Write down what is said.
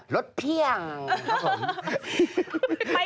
รถเพียงครับผม